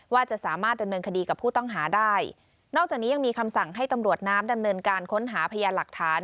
ว่าจะสามารถดำเนินคดีกับผู้ต้องหาได้นอกจากนี้ยังมีคำสั่งให้ตำรวจน้ำดำเนินการค้นหาพยานหลักฐาน